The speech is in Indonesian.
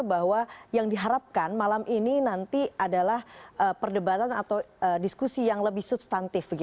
bahwa yang diharapkan malam ini nanti adalah perdebatan atau diskusi yang lebih substantif